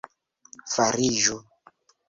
fariĝu